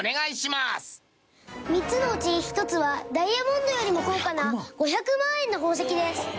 ３つのうち１つはダイヤモンドよりも高価な５００万円の宝石です。